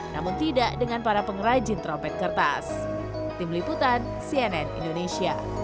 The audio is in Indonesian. namun tidak dengan para pengrajin trompet kertas